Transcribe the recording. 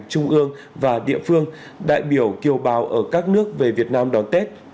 trung ương và địa phương đại biểu kiều bào ở các nước về việt nam đón tết